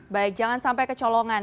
baik jangan sampai kecolongan